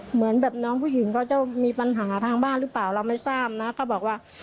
เหมือนน้องผู้หญิงก็จะมีปัญหาทางบ้านรึเปราะเราไม่ทราบนะ